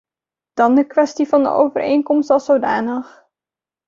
Dan de kwestie van de overeenkomst als zodanig.